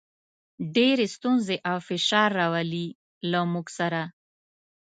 ډېرې ستونزې او فشار راولي، له موږ سره.